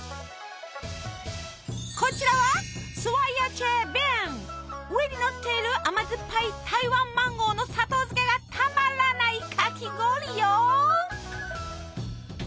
こちらは上にのっている甘酸っぱい台湾マンゴーの砂糖漬けがたまらないかき氷よ！